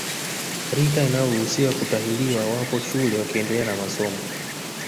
Rika inayoruhusiwa kutahiliwa wapo shule wakiendelea na masomo